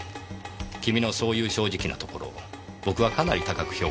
君のそういう正直なところ僕はかなり高く評価しています。